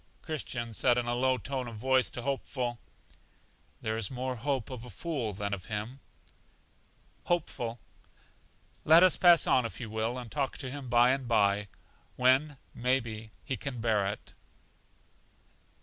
Christian said in a low tone of voice to Hopeful: There is more hope of a fool than of him. Hopeful. Let us pass on if you will, and talk to him by and by, when, may be, he can bear it.